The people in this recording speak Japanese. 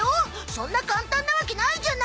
そんな簡単なわけないじゃない！